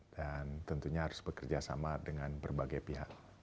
dan tentunya harus bekerja sama dengan berbagai pihak